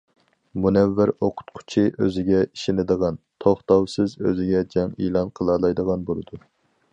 مۇنەۋۋەر ئوقۇتقۇچى ئۆزىگە ئىشىنىدىغان، توختاۋسىز ئۆزىگە جەڭ ئېلان قىلالايدىغان بولىدۇ.